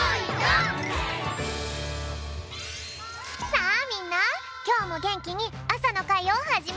さあみんなきょうもげんきにあさのかいをはじめるぴょん。